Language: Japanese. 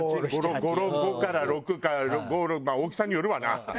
５から６かまあ大きさによるわな。